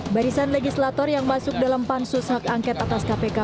barisan legislator yang masuk dalam pansus hak angket atas kpk